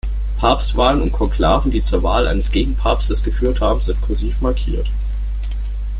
Papstwahlen und Konklaven, die zur Wahl eines Gegenpapstes geführt haben, sind kursiv markiert.